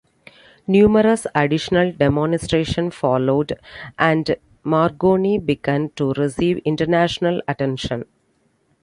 Numerous additional demonstrations followed, and Marconi began to receive international attention.